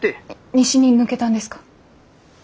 西に抜けたんですか？